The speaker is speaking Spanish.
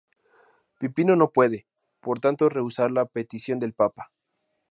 Pipino no puede, por tanto, rehusar la petición del papa.